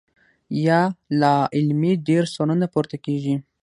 يا لا علمۍ ډېر سوالونه پورته کيږي -